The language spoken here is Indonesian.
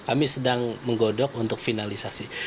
kami sedang menggodok untuk finalisasi